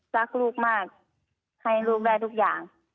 รักลูกมากให้ลูกได้ทุกอย่าง